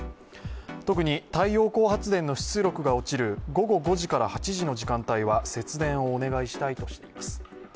特に太陽光発電の出力が落ちる午後５時から８時の時間帯は節電をお願いしたいとしています。